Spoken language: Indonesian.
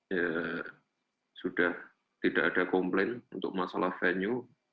ya sudah tidak ada komplain untuk masalah venue